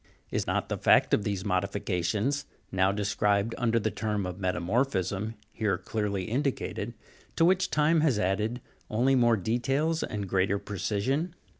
Is not the fact of the modifications, now described under the term of metamor phism, here clearly indicated to which time has added only more details and greater precision